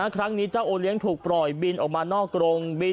ครั้งนี้เจ้าโอเลี้ยงถูกปล่อยบินออกมานอกกรงบิน